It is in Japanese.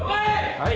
はい！